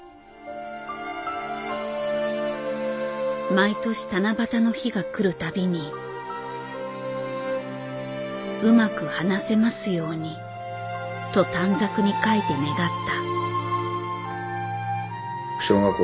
毎年七夕の日が来るたびに「うまく話せますように」と短冊に書いて願った。